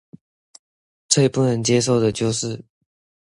最不能接受的就是